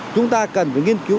chúng ta cần phải nghiên cứu